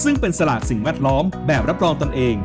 ซึ่งเป็นสลากสิ่งแวดล้อมแบบรับรองตนเอง